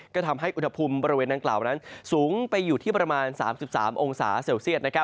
ก็ทำให้อุณหภูมิบริเวณดังกล่าวนั้นสูงไปอยู่ที่ประมาณ๓๓องศาเซลเซียต